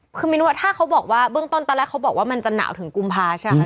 คือมินว่าถ้าเขาบอกว่าเบื้องต้นตอนแรกเขาบอกว่ามันจะหนาวถึงกุมภาใช่ไหมคะ